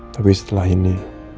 tapi setelah ini